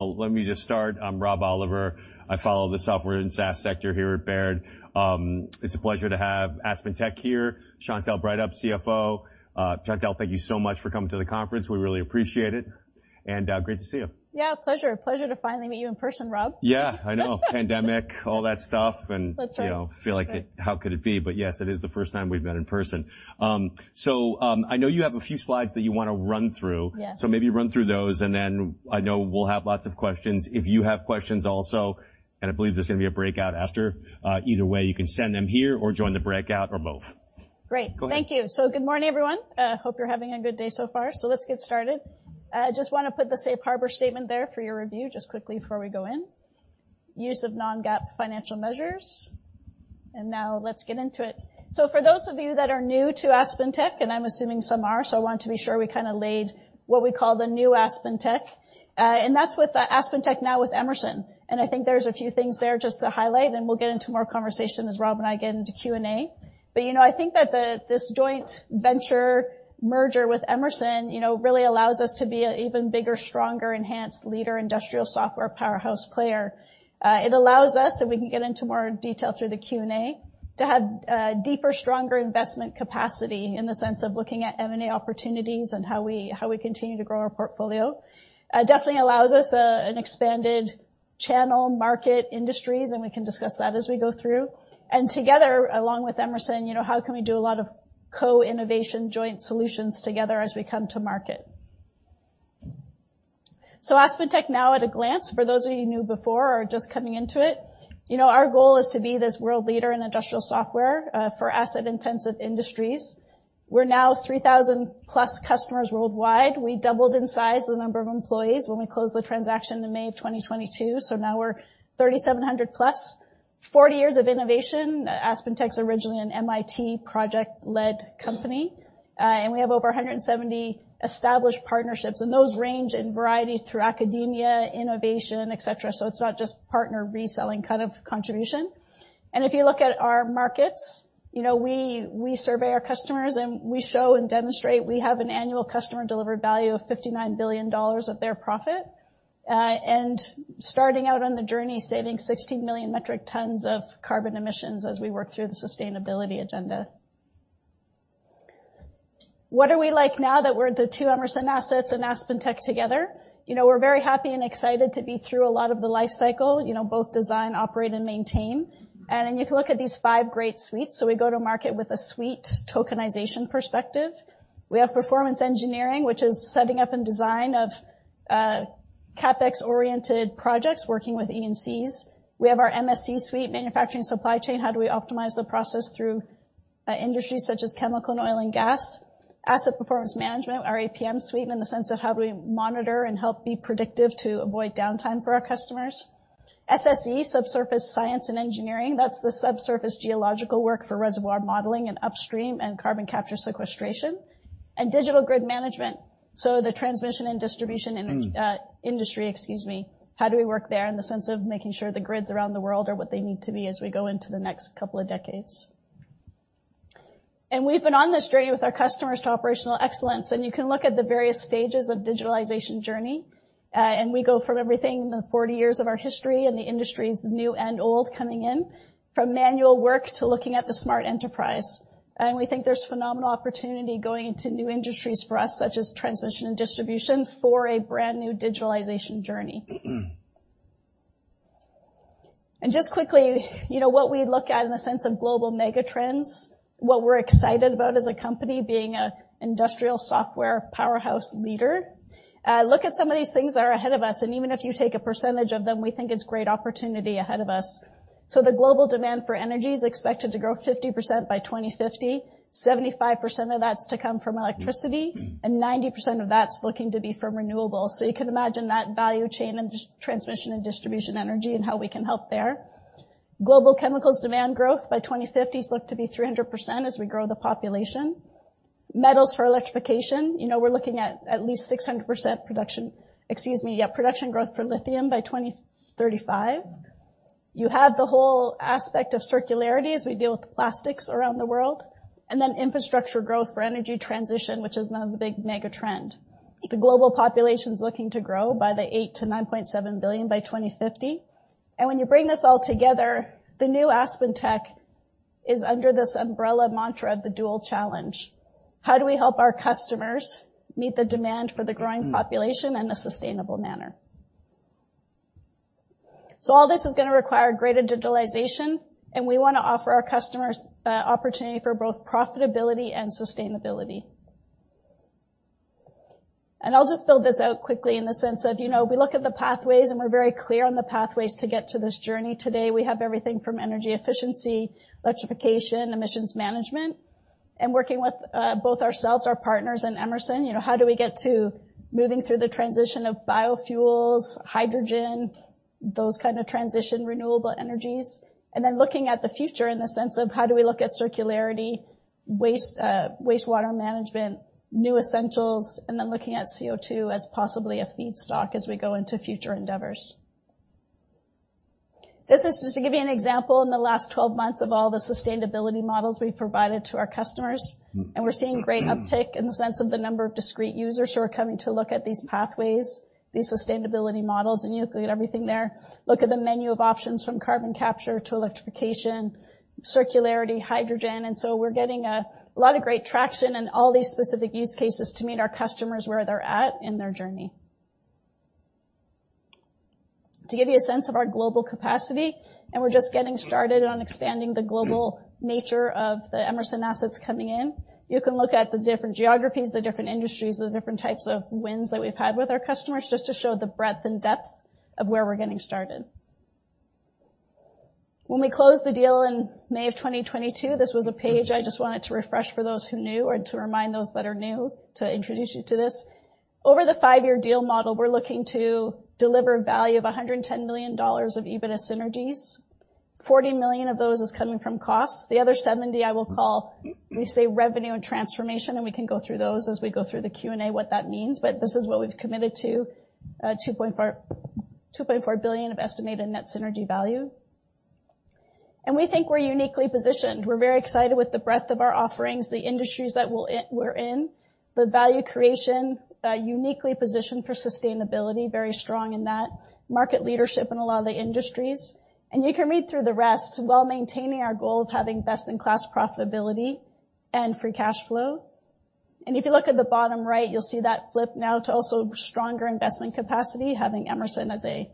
Well, let me just start. I'm Rob Oliver. I follow the software and SaaS sector here at Baird. It's a pleasure to have AspenTech here, Chantelle Breithaupt, CFO. Chantelle, thank you so much for coming to the conference. We really appreciate it, and, great to see you. Yeah, pleasure. Pleasure to finally meet you in person, Rob. Yeah, I know. Pandemic, all that stuff, and- That's right. you know, feel like it... How could it be? Yes, it is the first time we've met in person. I know you have a few slides that you wanna run through. Yeah. Maybe run through those, and then I know we'll have lots of questions. If you have questions also, and I believe there's gonna be a breakout after. Either way, you can send them here or join the breakout or both. Great. Go ahead. Thank you. Good morning, everyone. Hope you're having a good day so far. Let's get started. I just wanna put the safe harbor statement there for your review, just quickly before we go in. Use of non-GAAP financial measures. Now let's get into it. For those of you that are new to AspenTech, and I'm assuming some are, I wanted to be sure we kinda laid what we call the new AspenTech. That's with the AspenTech now with Emerson. I think there's a few things there just to highlight, and then we'll get into more conversation as Rob and I get into Q&A. You know, I think that this joint venture merger with Emerson, you know, really allows us to be an even bigger, stronger, enhanced leader, industrial software powerhouse player. It allows us, and we can get into more detail through the Q&A, to have deeper, stronger investment capacity in the sense of looking at M&A opportunities and how we continue to grow our portfolio. It definitely allows us an expanded channel market industries, and we can discuss that as we go through. Together, along with Emerson, you know, how can we do a lot of co-innovation joint solutions together as we come to market? AspenTech now at a glance, for those of you new before or just coming into it, you know, our goal is to be this world leader in industrial software for asset-intensive industries. We're now 3,000+ customers worldwide. We doubled in size the number of employees when we closed the transaction in May of 2022, so now we're 3,700+. 40 years of innovation, AspenTech's originally an MIT project-led company. We have over 170 established partnerships, and those range in variety through academia, innovation, et cetera. It's not just partner reselling kind of contribution. If you look at our markets, you know, we survey our customers, and we show and demonstrate we have an annual customer-delivered value of $59 billion of their profit, and starting out on the journey, saving 16 million metric tons of carbon emissions as we work through the sustainability agenda. What are we like now that we're the two Emerson assets and AspenTech together? You know, we're very happy and excited to be through a lot of the life cycle, you know, both design, operate, and maintain. Then, you can look at these five great suites. We go to market with a suite tokenization perspective. We have Performance Engineering, which is setting up and design of CapEx-oriented projects working with E&Cs. We have our MSC suite, Manufacturing & Supply Chain. How do we optimize the process through industries such as chemical and oil and gas? Asset Performance Management, our APM suite, in the sense of how do we monitor and help be predictive to avoid downtime for our customers. SSE, Subsurface Science & Engineering, that's the subsurface geological work for reservoir modeling and upstream and carbon capture and sequestration. Digital Grid Management, the transmission and distribution and industry, excuse me, how do we work there in the sense of making sure the grids around the world are what they need to be as we go into the next couple of decades? We've been on this journey with our customers to operational excellence, and you can look at the various stages of digitalization journey, and we go from everything, the 40 years of our history and the industries, new and old, coming in, from manual work to looking at the smart enterprise. We think there's phenomenal opportunity going into new industries for us, such as transmission and distribution, for a brand-new digitalization journey. Just quickly, you know, what we look at in the sense of global mega trends, what we're excited about as a company being a industrial software powerhouse leader. Look at some of these things that are ahead of us, and even if you take a percentage of them, we think it's great opportunity ahead of us. The global demand for energy is expected to grow 50% by 2050, 75% of that's to come from electricity, and 90% of that's looking to be from renewables. You can imagine that value chain and transmission and distribution energy and how we can help there. Global chemicals demand growth by 2050 is looked to be 300% as we grow the population. Metals for electrification, you know, we're looking at at least 600% production growth for lithium by 2035. You have the whole aspect of circularity as we deal with plastics around the world, infrastructure growth for energy transition, which is another big mega trend. The global population's looking to grow by the 8 to 9.7 billion by 2050. When you bring this all together, the new AspenTech is under this umbrella mantra of the dual challenge. How do we help our customers meet the demand for the growing population in a sustainable manner? All this is gonna require greater digitalization, and we wanna offer our customers opportunity for both profitability and sustainability. I'll just build this out quickly in the sense of, you know, we look at the pathways, and we're very clear on the pathways to get to this journey. Today, we have everything from energy efficiency, electrification, emissions management, and working with both ourselves, our partners, and Emerson. You know, how do we get to moving through the transition of biofuels, hydrogen, those kind of transition renewable energies? Looking at the future in the sense of how do we look at circularity, waste, wastewater management, new essentials, and then looking at CO2 as possibly a feedstock as we go into future endeavors. This is just to give you an example, in the last 12 months of all the sustainability models we've provided to our customers, and we're seeing great uptake in the sense of the number of discrete users who are coming to look at these pathways, these sustainability models, and you look at everything there. Look at the menu of options from carbon capture to electrification, circularity, hydrogen. We're getting a lot of great traction in all these specific use cases to meet our customers where they're at in their journey. To give you a sense of our global capacity, we're just getting started on expanding the global nature of the Emerson assets coming in, you can look at the different geographies, the different industries, the different types of wins that we've had with our customers, just to show the breadth and depth of where we're getting started. When we closed the deal in May of 2022, this was a page I just wanted to refresh for those who knew or to remind those that are new, to introduce you to this. Over the 5-year deal model, we're looking to deliver value of $110 million of EBITDA synergies. $40 million of those is coming from costs. The other $70 million, I will call, we say, revenue and transformation, we can go through those as we go through the Q&A, what that means. This is what we've committed to, $2.4 billion of estimated net synergy value. We think we're uniquely positioned. We're very excited with the breadth of our offerings, the industries that we're in, the value creation, uniquely positioned for sustainability, very strong in that, market leadership in a lot of the industries. You can read through the rest, while maintaining our goal of having best-in-class profitability and free cash flow. If you look at the bottom right, you'll see that flip now to also stronger investment capacity, having Emerson as a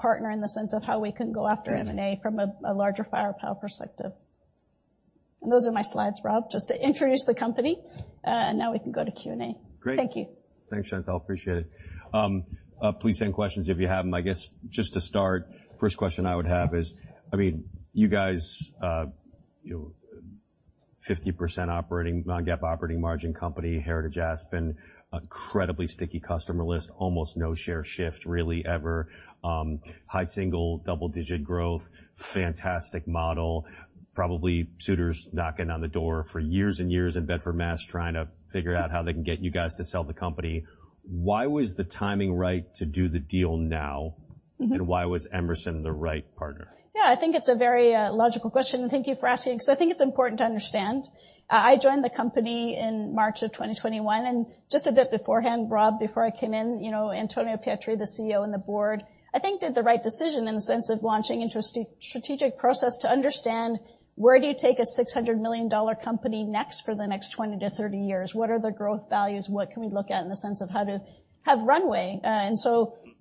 partner in the sense of how we can go after M&A from a larger firepower perspective. Those are my slides, Rob, just to introduce the company, and now we can go to Q&A. Great. Thank you. Thanks, Chantelle. Appreciate it. Please send questions if you have them. I guess, just to start, first question I would have is, I mean, you guys, you know, 50% non-GAAP operating margin company, Heritage Aspen, incredibly sticky customer list, almost no share shifts really ever, high single, double-digit growth, fantastic model, probably suitors knocking on the door for years and years in Bedford, Mass, trying to figure out how they can get you guys to sell the company. Why was the timing right to do the deal now? Mm-hmm. Why was Emerson the right partner? Yeah, I think it's a very logical question. Thank you for asking, because I think it's important to understand. I joined the company in March of 2021. Just a bit beforehand, Rob, before I came in, you know, Antonio Pietri, the CEO, and the board, I think, did the right decision in the sense of launching interesting strategic process to understand: Where do you take a $600 million company next for the next 20 to 30 years? What are the growth values? What can we look at in the sense of how to have runway?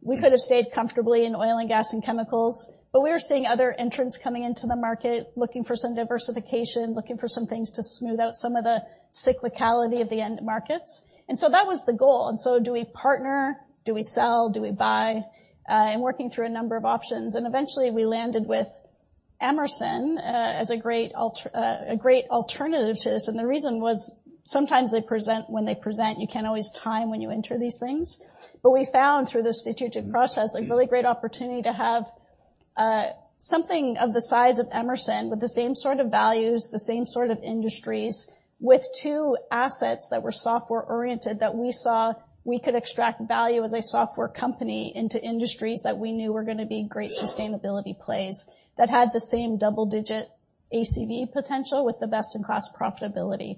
We could have stayed comfortably in oil and gas and chemicals, but we were seeing other entrants coming into the market, looking for some diversification, looking for some things to smooth out some of the cyclicality of the end markets. That was the goal, do we partner? Do we sell? Do we buy? Working through a number of options, eventually, we landed with Emerson as a great alternative to this. The reason was, sometimes when they present, you can't always time when you enter these things. We found through the strategic process, a really great opportunity to have, something of the size of Emerson, with the same sort of values, the same sort of industries, with 2 assets that were software-oriented, that we saw we could extract value as a software company into industries that we knew were going to be great sustainability plays, that had the same double-digit ACV potential with the best-in-class profitability.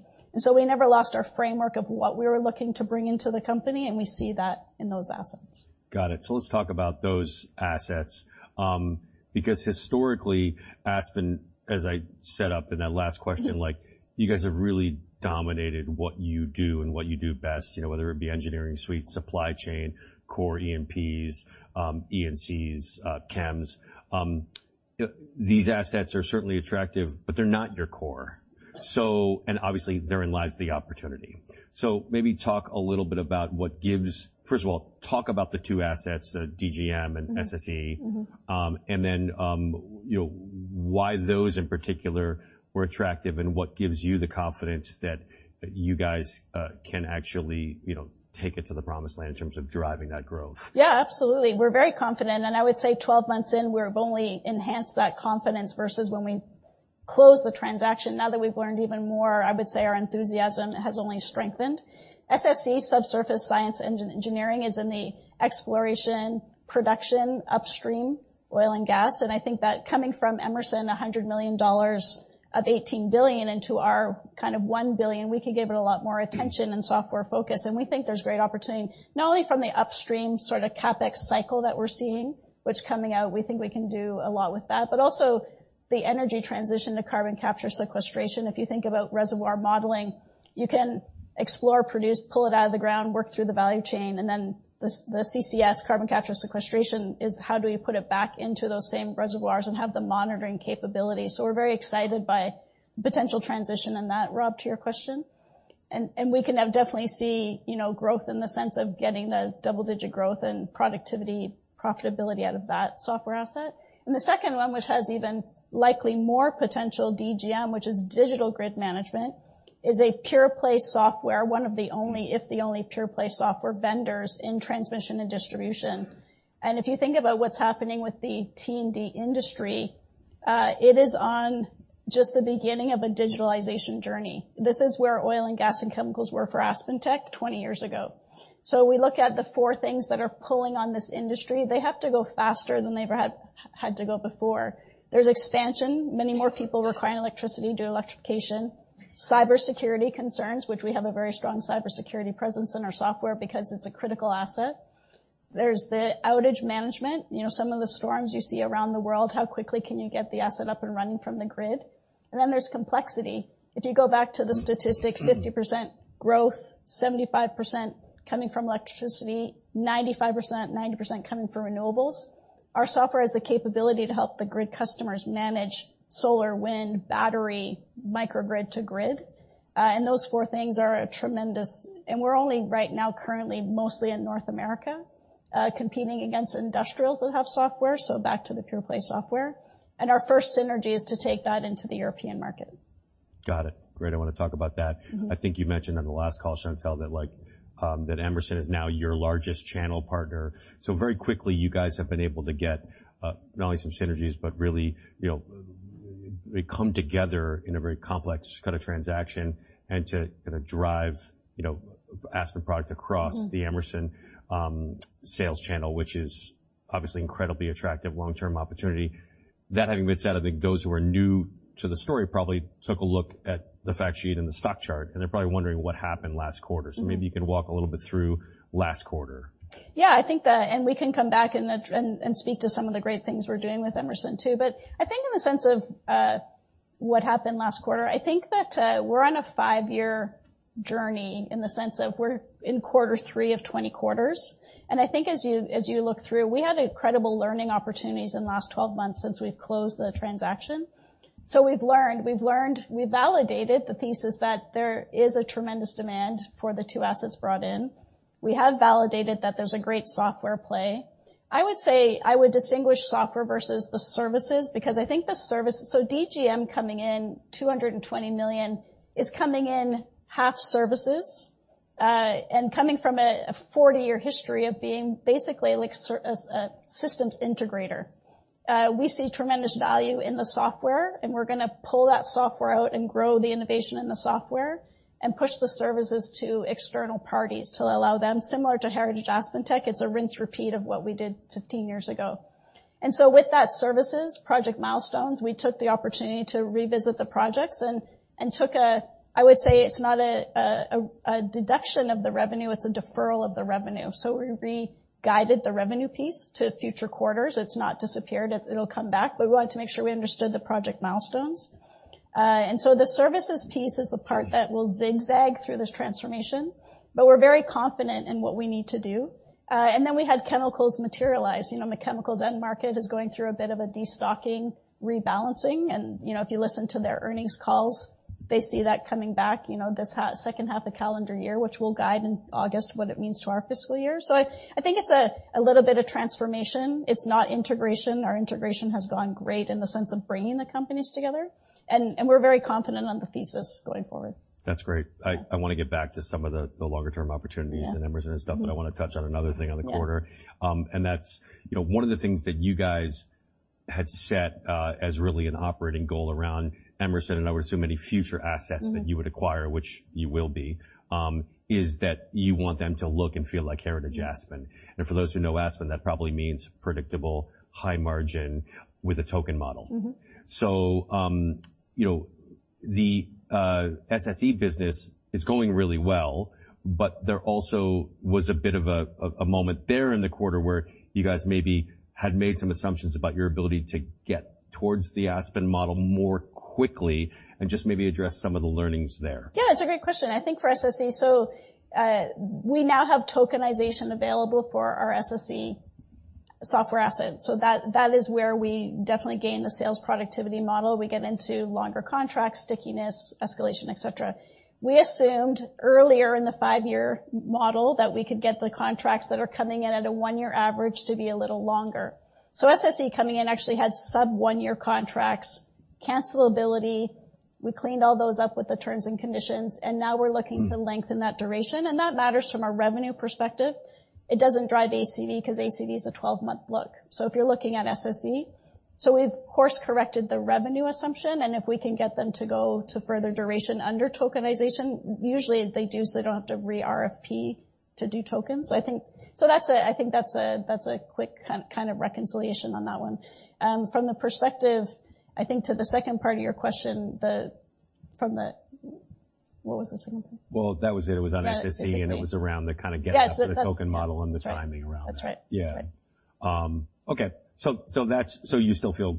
We never lost our framework of what we were looking to bring into the company, and we see that in those assets. Got it. Let's talk about those assets, because historically, Aspen, as I set up in that last question. Mm-hmm. -like, you guys have really dominated what you do and what you do best, you know, whether it be Engineering suite, Supply Chain, core EMPs, E&Cs, chems. These assets are certainly attractive, but they're not your core. Obviously, therein lies the opportunity. Maybe talk a little bit about First of all, talk about the two assets, the DGM and SSE. Mm-hmm. You know, why those in particular were attractive and what gives you the confidence that you guys can actually, you know, take it to the promised land in terms of driving that growth? Yeah, absolutely. We're very confident. I would say 12 months in, we've only enhanced that confidence versus when we closed the transaction. Now that we've learned even more, I would say our enthusiasm has only strengthened. SSE, Subsurface Science & Engineering, is in the exploration, production, upstream, oil and gas. I think that coming from Emerson, $100 million of $18 billion into our kind of $1 billion, we can give it a lot more attention and software focus. We think there's great opportunity, not only from the upstream sort of CapEx cycle that we're seeing, which coming out, we think we can do a lot with that, but also the energy transition to carbon capture sequestration. If you think about reservoir modeling, you can explore, produce, pull it out of the ground, work through the value chain, and then the CCS, carbon capture sequestration, is how do we put it back into those same reservoirs and have the monitoring capability? We're very excited by the potential transition in that, Rob, to your question. We can now definitely see, you know, growth in the sense of getting the double-digit growth and productivity, profitability out of that software asset. The second one, which has even likely more potential DGM, which is Digital Grid Management, is a pure play software, one of the only, if the only, pure play software vendors in transmission and distribution. If you think about what's happening with the T&D industry, it is on just the beginning of a digitalization journey. This is where oil and gas and chemicals were for AspenTech 20 years ago. We look at the 4 things that are pulling on this industry. They have to go faster than they've ever had to go before. There's expansion. Many more people requiring electricity due to electrification. Cybersecurity concerns, which we have a very strong cybersecurity presence in our software because it's a critical asset. There's the outage management. You know, some of the storms you see around the world, how quickly can you get the asset up and running from the grid? There's complexity. If you go back to the statistics, 50% growth, 75% coming from electricity, 95%, 90% coming from renewables. Our software has the capability to help the grid customers manage solar, wind, battery, microgrid to grid, and those four things are a tremendous. We're only right now currently mostly in North America, competing against industrials that have software, so back to the pure play software. Our first synergy is to take that into the European market. Got it. Great, I want to talk about that. Mm-hmm. I think you mentioned on the last call, Chantelle, that, like, that Emerson is now your largest channel partner. Very quickly, you guys have been able to get, not only some synergies, but really, you know, come together in a very complex kind of transaction and to kind of drive, you know, Aspen product across- Mm-hmm. The Emerson sales channel, which is obviously incredibly attractive long-term opportunity. That having been said, I think those who are new to the story probably took a look at the fact sheet and the stock chart, and they're probably wondering what happened last quarter. Mm-hmm. Maybe you can walk a little bit through last quarter. I think the. We can come back and speak to some of the great things we're doing with Emerson, too. I think in the sense of what happened last quarter, I think that we're on a five-year journey in the sense of we're in quarter three of 20 quarters. I think as you look through, we had incredible learning opportunities in the last 12 months since we've closed the transaction. We've learned, we validated the thesis that there is a tremendous demand for the two assets brought in. We have validated that there's a great software play. I would say I would distinguish software versus the services, because I think the services. DGM coming in, $220 million, is coming in half services, and coming from a 40-year history of being basically like a systems integrator. We see tremendous value in the software, and we're gonna pull that software out and grow the innovation in the software and push the services to external parties to allow them. Similar to heritage AspenTech, it's a rinse, repeat of what we did 15 years ago. With that services, project milestones, we took the opportunity to revisit the projects and took a I would say it's not a deduction of the revenue, it's a deferral of the revenue. We re-guided the revenue piece to future quarters. It's not disappeared. It'll come back, but we wanted to make sure we understood the project milestones. The services piece is the part that will zigzag through this transformation, but we're very confident in what we need to do. Then we had chemicals materialize. You know, the chemicals end market is going through a bit of a destocking, rebalancing, and, you know, if you listen to their earnings calls, they see that coming back, you know, this second half of calendar year, which we'll guide in August, what it means to our fiscal year. I think it's a little bit of transformation. It's not integration. Our integration has gone great in the sense of bringing the companies together, and we're very confident on the thesis going forward. That's great. I want to get back to some of the longer term opportunities. Yeah. Emerson and stuff, but I want to touch on another thing on the quarter. Yeah. That's, you know, one of the things that you guys had set, as really an operating goal around Emerson, and I would assume any future assets. Mm-hmm. -that you would acquire, which you will be, is that you want them to look and feel like heritage Aspen. Mm-hmm. For those who know Aspen, that probably means predictable, high margin with a token model. Mm-hmm. you know, the SSE business is going really well, but there also was a bit of a moment there in the quarter where you guys maybe had made some assumptions about your ability to get towards the Aspen model more quickly and just maybe address some of the learnings there. Yeah, it's a great question. I think for SSE, we now have tokenization available for our SSE software asset. That is where we definitely gain the sales productivity model. We get into longer contracts, stickiness, escalation, et cetera. We assumed earlier in the five-year model that we could get the contracts that are coming in at a one-year average to be a little longer. SSE coming in actually had sub-one-year contracts, cancellability. We cleaned all those up with the terms and conditions, now we're looking. Mm. to lengthen that duration, and that matters from a revenue perspective. It doesn't drive ACV, 'cause ACV is a 12-month look. If you're looking at SSE, we've course-corrected the revenue assumption, and if we can get them to go to further duration under tokenization, usually they do, they don't have to re-RFP to do tokens. I think. That's a, I think that's a, that's a quick kind of reconciliation on that one. From the perspective, I think, to the second part of your question, What was the second part? Well, that was it. That was it. It was on SSE, and it was around the kind of getting-. Yeah. -up to the token model and the timing around that. That's right. Yeah. That's right. okay. That's, you still feel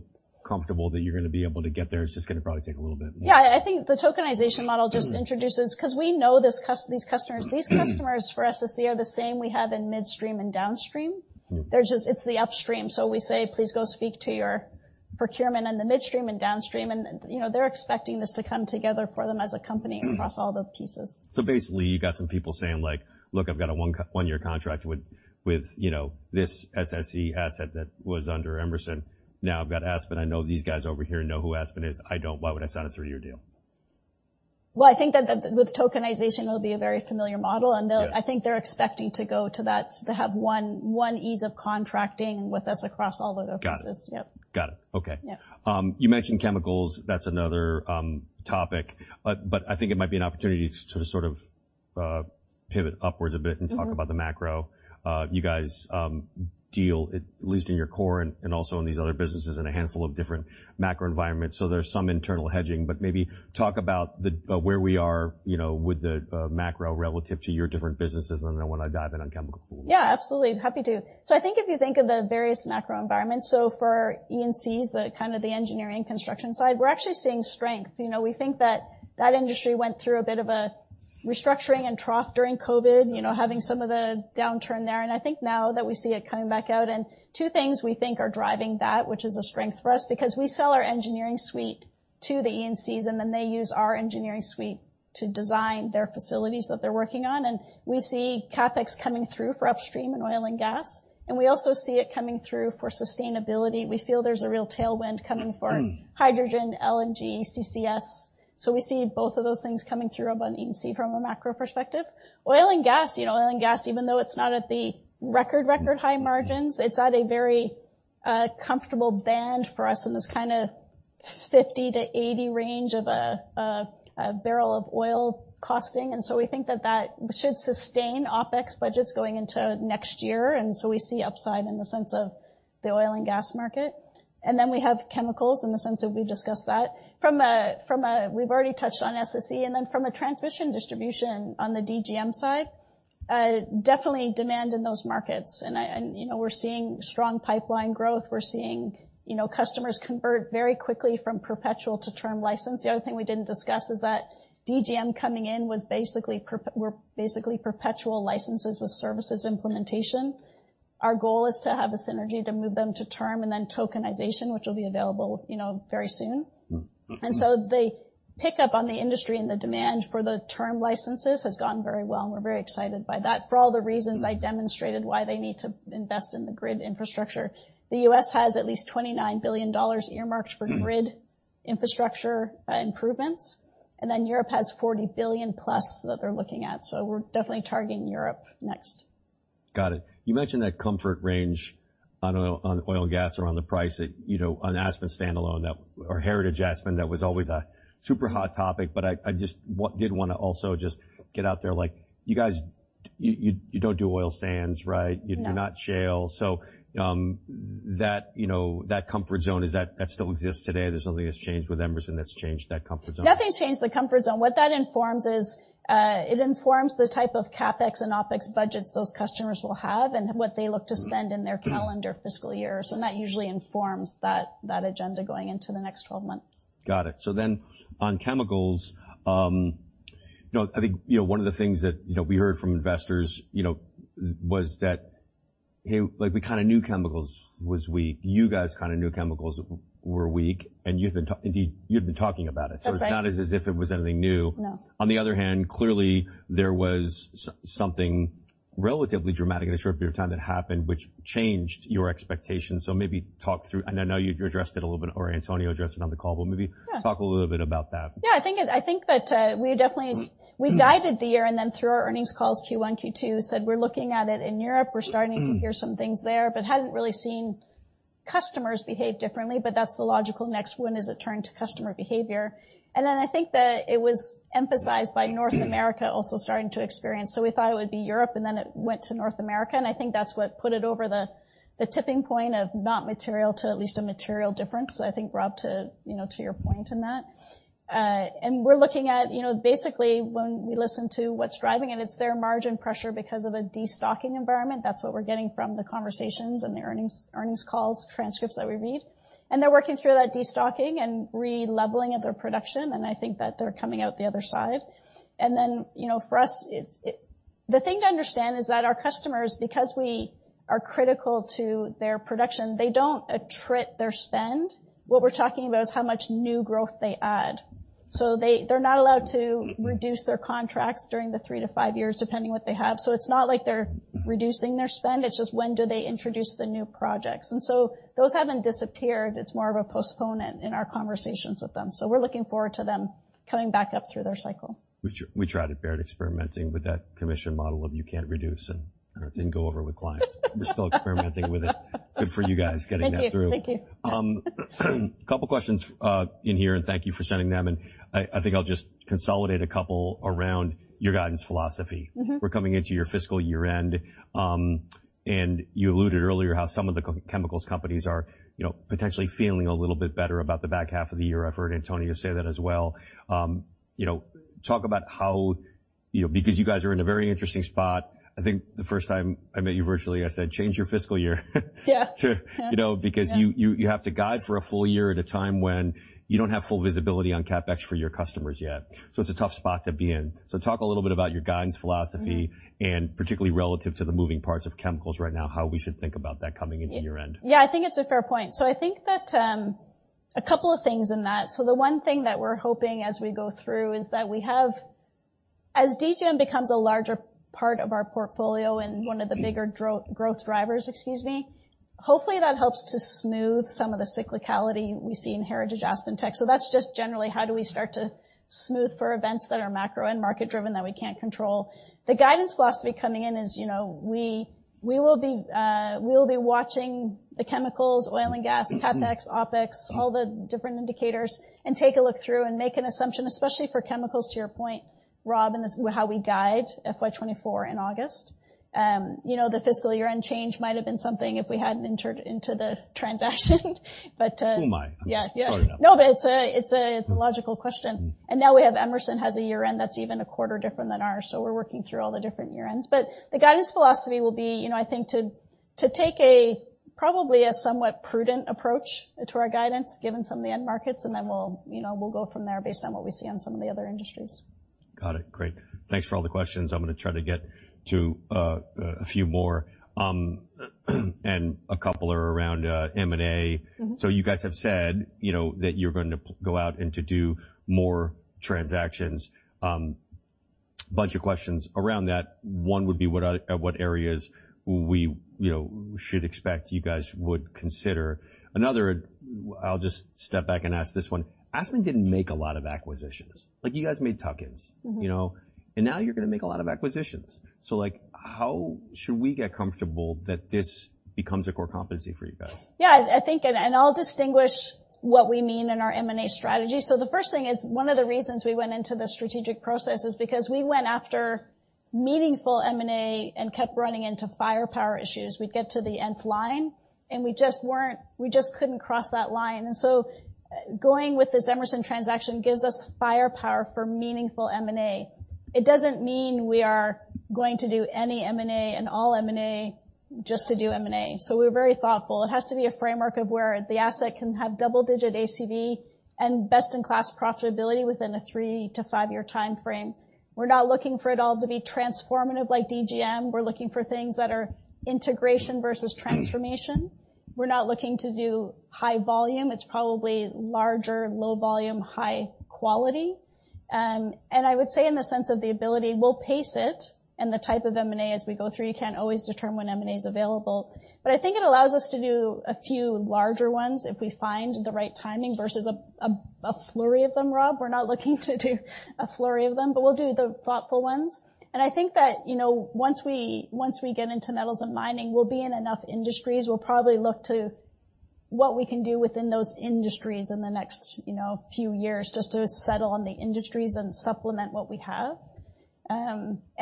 comfortable that you're gonna be able to get there. It's just gonna probably take a little bit more. Yeah, I think the tokenization model 'cause we know these customers. These customers, for SSE, are the same we have in midstream and downstream. Mm. They're just. It's the upstream, so we say: Please go speak to your procurement in the midstream and downstream. You know, they're expecting this to come together for them as a company. Mm-hmm across all the pieces. Basically, you got some people saying, like, "Look, I've got a 1-year contract with, you know, this SSE asset that was under Emerson. Now I've got Aspen. I know these guys over here know who Aspen is. I don't. Why would I sign a 3-year deal? Well, I think that the, with tokenization, it'll be a very familiar model. Yes. I think they're expecting to go to that, to have one ease of contracting with us across all the offices. Got it. Yep. Got it. Okay. Yeah. You mentioned chemicals. That's another topic. I think it might be an opportunity to sort of pivot upwards a bit. Mm-hmm Talk about the macro. You guys deal, at least in your core and also in these other businesses, in a handful of different macro environments. There's some internal hedging, but maybe talk about the where we are, you know, with the macro relative to your different businesses, and then I want to dive in on chemicals. Yeah, absolutely. Happy to. I think if you think of the various macro environments, so for E&Cs, the kind of the engineering construction side, we're actually seeing strength. You know, we think that that industry went through a bit of a restructuring and trough during COVID, you know, having some of the downturn there, and I think now that we see it coming back out. Two things we think are driving that, which is a strength for us, because we sell our engineering suite to the E&Cs, and then they use our engineering suite to design their facilities that they're working on. We see CapEx coming through for upstream in oil and gas, and we also see it coming through for sustainability. We feel there's a real tailwind coming for hydrogen, LNG, CCS. We see both of those things coming through up on E&Cs from a macro perspective. Oil and gas, you know, oil and gas, even though it's not at the record high margins, it's at a very comfortable band for us in this kind of $50-$80 range of a barrel of oil costing. We think that that should sustain OpEx budgets going into next year, we see upside in the sense of the oil and gas market. We have chemicals in the sense of... We've discussed that. We've already touched on SSE, then from a transmission distribution on the DGM side, definitely demand in those markets. You know, we're seeing strong pipeline growth. We're seeing, you know, customers convert very quickly from perpetual to term license. The other thing we didn't discuss is that DGM coming in were basically perpetual licenses with services implementation. Our goal is to have a synergy to move them to term and then tokenization, which will be available, you know, very soon. Mm-hmm. The pick-up on the industry and the demand for the term licenses has gone very well, and we're very excited by that for all the reasons. Mm I demonstrated why they need to invest in the grid infrastructure. The U.S. has at least $29 billion earmarked for- Mm -grid infrastructure, improvements, Europe has $40 billion+ that they're looking at. We're definitely targeting Europe next. Got it. You mentioned that comfort range on on oil and gas, around the price that, you know, on Aspen standalone, or Heritage Aspen, that was always a super hot topic. I just did want to also just get out there, like, you guys, you don't do oil sands, right? No. You do not shale. that, you know, that comfort zone, that still exists today? There's nothing that's changed with Emerson that's changed that comfort zone? Nothing's changed the comfort zone. What that informs is, it informs the type of CapEx and OpEx budgets those customers will have and what they look to spend- Mm, mm in their calendar fiscal year. That usually informs that agenda going into the next 12 months. Got it. On chemicals, you know, I think, you know, one of the things that, you know, we heard from investors, you know, was that, hey, like, we kind of knew chemicals was weak. You guys kind of knew chemicals were weak, and you'd been indeed, you'd been talking about it. Okay. It's not as if it was anything new. No. On the other hand, clearly, there was something relatively dramatic in a short period of time that happened, which changed your expectations. Maybe talk through... I know you've addressed it a little bit, or Antonio addressed it on the call, but maybe... Yeah Talk a little bit about that. Yeah, I think that, we definitely... Mm, mm. We guided the year, and then through our earnings calls, Q1, Q2, said, we're looking at it in Europe. Mm. We're starting to hear some things there, but hadn't really seen customers behave differently. That's the logical next one, is it turned to customer behavior. I think that it was emphasized by North America. Mm -also starting to experience. We thought it would be Europe, and then it went to North America, and I think that's what put it over the tipping point of not material to at least a material difference. I think, Rob, to, you know, to your point in that. We're looking at, you know, basically, when we listen to what's driving it's their margin pressure because of a destocking environment. That's what we're getting from the conversations and the earnings calls, transcripts that we read. They're working through that destocking and re-leveling of their production, and I think that they're coming out the other side. You know, for us, it's. The thing to understand is that our customers, because we are critical to their production, they don't attrit their spend. What we're talking about is how much new growth they add. They're not allowed to. Mm -reduce their contracts during the 3-5 years, depending what they have. It's not like they're reducing their spend, it's just when do they introduce the new projects? Those haven't disappeared. It's more of a postponement in our conversations with them. We're looking forward to them coming back up through their cycle. We tried it, bear, experimenting with that commission model of you can't reduce, and it didn't go over with clients. We're still experimenting with it. Good for you guys, getting that through. Thank you. Thank you. Couple questions, in here, and thank you for sending them. I think I'll just consolidate a couple around your guidance philosophy. Mm-hmm. We're coming into your fiscal year-end. You alluded earlier how some of the chemicals companies are, you know, potentially feeling a little bit better about the back half of the year. I've heard Antonio say that as well. You know, because you guys are in a very interesting spot. I think the first time I met you virtually, I said, "Change your fiscal year. Yeah. To- Yeah You know, because you have to guide for a full year at a time when you don't have full visibility on CapEx for your customers yet. It's a tough spot to be in. Talk a little bit about your guidance philosophy. Mm-hmm particularly relative to the moving parts of chemicals right now, how we should think about that coming into year-end. Yeah, I think it's a fair point. I think that, a couple of things in that, the one thing that we're hoping as we go through is that As DGM becomes a larger part of our portfolio and one of the bigger growth drivers, excuse me, hopefully, that helps to smooth some of the cyclicality we see in heritage AspenTech. That's just generally how do we start to smooth for events that are macro and market driven that we can't control? The guidance philosophy coming in is, you know, we will be, we will be watching the chemicals, oil and gas, CapEx, OpEx, all the different indicators, and take a look through and make an assumption, especially for chemicals, to your point, Rob, in this, how we guide FY 2024 in August. You know, the fiscal year-end change might have been something if we hadn't entered into the transaction, but. Who am I? Yeah. Sorry about that. No, it's a logical question. Mm-hmm. Now we have Emerson has a year-end that's even a quarter different than ours. We're working through all the different year ends. The guidance philosophy will be, you know, I think to take a probably a somewhat prudent approach to our guidance, given some of the end markets. We'll, you know, we'll go from there based on what we see on some of the other industries. Got it. Great. Thanks for all the questions. I'm gonna try to get to a few more. A couple are around M&A. Mm-hmm. You guys have said, you know, that you're going to go out and to do more transactions. Bunch of questions around that. One would be, what areas we, you know, should expect you guys would consider? I'll just step back and ask this one. Aspen didn't make a lot of acquisitions. Like, you guys made tuck-ins. Mm-hmm. You know, now you're gonna make a lot of acquisitions. Like, how should we get comfortable that this becomes a core competency for you guys? Yeah, I think, I'll distinguish what we mean in our M&A strategy. The first thing is, one of the reasons we went into the strategic process is because we went after meaningful M&A and kept running into firepower issues. We'd get to the nth line, and we just couldn't cross that line. Going with this Emerson transaction gives us firepower for meaningful M&A. It doesn't mean we are going to do any M&A and all M&A just to do M&A. We're very thoughtful. It has to be a framework of where the asset can have double-digit ACV and best-in-class profitability within a 3-5-year time frame. We're not looking for it all to be transformative like DGM. We're looking for things that are integration versus transformation. We're not looking to do high volume. It's probably larger, low volume, high quality. I would say in the sense of the ability, we'll pace it and the type of M&A as we go through. You can't always determine when M&A is available. I think it allows us to do a few larger ones if we find the right timing, versus a flurry of them, Rob. We're not looking to do a flurry of them, but we'll do the thoughtful ones. I think that, you know, once we get into metals and mining, we'll be in enough industries. We'll probably look to what we can do within those industries in the next, you know, few years, just to settle on the industries and supplement what we have.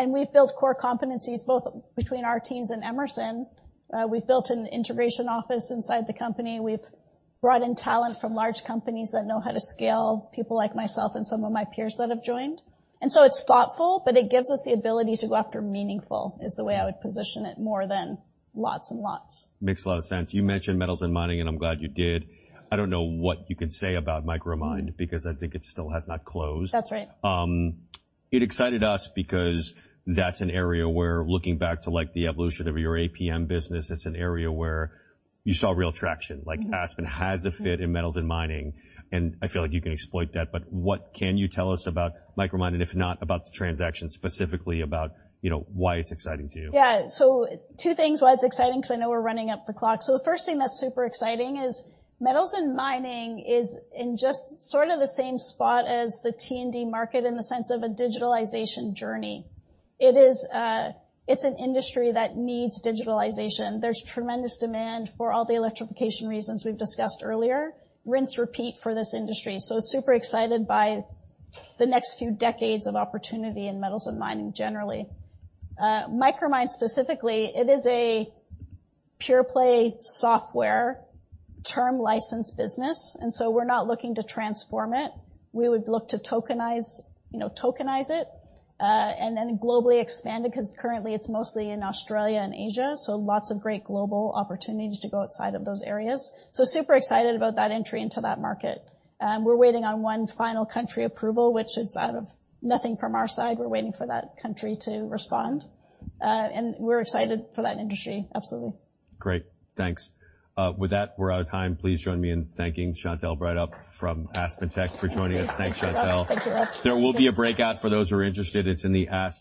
We've built core competencies, both between our teams and Emerson. We've built an integration office inside the company. We've brought in talent from large companies that know how to scale, people like myself and some of my peers that have joined. It's thoughtful, but it gives us the ability to go after meaningful, is the way I would position it, more than lots and lots. Makes a lot of sense. You mentioned metals and mining, and I'm glad you did. I don't know what you can say about Micromine, because I think it still has not closed. That's right. it excited us because that's an area where looking back to, like, the evolution of your APM business, it's an area where you saw real traction. Mm-hmm. Like, Aspen has a fit in metals and mining, and I feel like you can exploit that. What can you tell us about Micromine, and if not, about the transaction, specifically about, you know, why it's exciting to you? Yeah. Two things why it's exciting, because I know we're running up the clock. The first thing that's super exciting is metals and mining is in just sort of the same spot as the T&D market in the sense of a digitalization journey. It is, it's an industry that needs digitalization. There's tremendous demand for all the electrification reasons we've discussed earlier. Rinse, repeat for this industry. Super excited by the next few decades of opportunity in metals and mining, generally. Micromine, specifically, it is a pure play software term license business, we're not looking to transform it. We would look to, you know, tokenize it, globally expand it, because currently it's mostly in Australia and Asia, lots of great global opportunities to go outside of those areas. Super excited about that entry into that market. We're waiting on one final country approval, which is out of nothing from our side. We're waiting for that country to respond. We're excited for that industry. Absolutely. Great. Thanks. With that, we're out of time. Please join me in thanking Chantelle Breithaupt from AspenTech for joining us. Thanks, Chantelle. Thank you, Rob. There will be a breakout for those who are interested. It's in the Ask-.